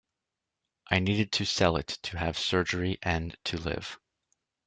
I needed to sell it to have surgery and to live.